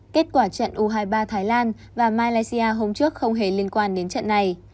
kết quả trận u hai mươi ba thái lan và malaysia hôm trước không hề liên quan đến trận này